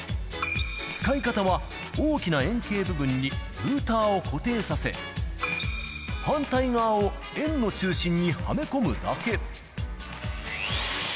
使い方は大きな円形部分にルーターを固定させ、反対側を円の中心にはめ込むだけ。